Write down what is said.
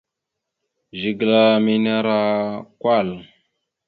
Zigla mene ara kwal.